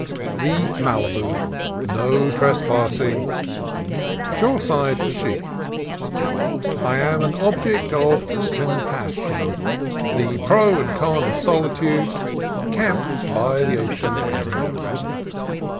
— The Malibu: "No Trespassing" — Shoreside sheep — I am an object of compassion — The pro and con of solitude — Camp by the ocean edge.